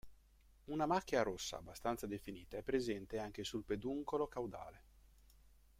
Una macchia rossa abbastanza definita è presente anche sul peduncolo caudale.